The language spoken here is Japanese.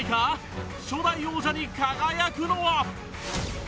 初代王者に輝くのは！？